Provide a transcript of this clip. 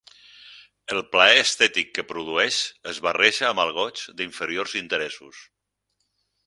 El plaer estètic que produeix es barreja amb el goig d'inferiors interessos.